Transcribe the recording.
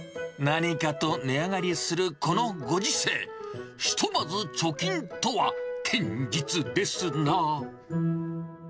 何かと値上がりするこのご時世、ひとまず貯金とは、堅実ですな。